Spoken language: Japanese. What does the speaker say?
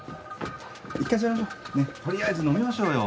１回座りましょねっとりあえず飲みましょうよ。